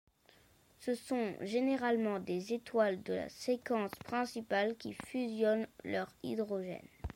Ce sont, généralement des étoiles de la séquence principale qui fusionnent leur hydrogène.